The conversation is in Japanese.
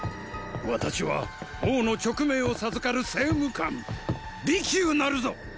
私は王の勅命を授かる政務官微久なるぞ！